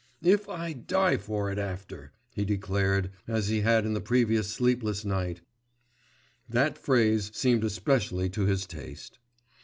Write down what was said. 'If I die for it after!' he declared, as he had in the previous sleepless night; that phrase seemed especially to his taste.